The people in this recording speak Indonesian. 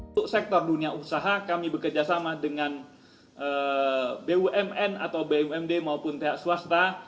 untuk sektor dunia usaha kami bekerjasama dengan bumn atau bumd maupun pihak swasta